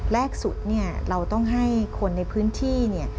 แรกสุดเราต้องให้คนในพื้นที่